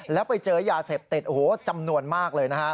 แล้วไปเจอยาเสพติดโอ้โหจำนวนมากเลยนะฮะ